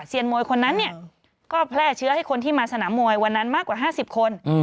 มวยคนนั้นเนี่ยก็แพร่เชื้อให้คนที่มาสนามมวยวันนั้นมากกว่า๕๐คน